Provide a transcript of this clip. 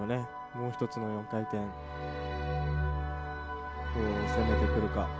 もう一つの４回転どう攻めてくるか。